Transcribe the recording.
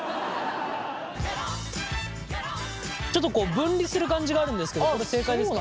ちょっと分離する感じがあるんですけどこれ正解ですか？